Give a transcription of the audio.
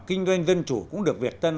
kinh doanh dân chủ cũng được việt tân